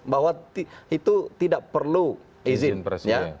bahwa itu tidak perlu izin presiden